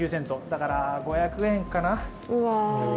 だから５００円かな。